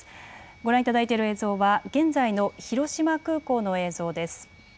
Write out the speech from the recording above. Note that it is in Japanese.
ご覧いただいている映像は現在の広島空港の映像です。